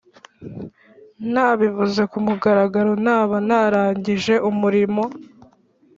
ntabivuze ku mugaragaro naba ntarangije umurimo